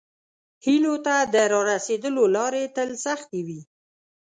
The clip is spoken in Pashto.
هیلو ته د راسیدلو لارې تل سختې وي.